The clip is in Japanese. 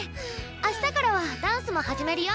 明日からはダンスも始めるよ。